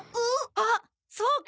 あっそうか！